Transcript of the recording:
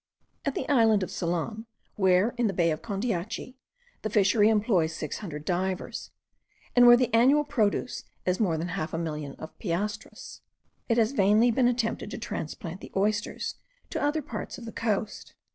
At the island of Ceylon, where, in the bay of Condeatchy, the fishery employs six hundred divers, and where the annual produce is more than half a million of piastres, it has vainly been attempted to transplant the oysters to other parts of the coast.